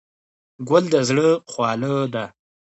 ګل د زړه خواله ده.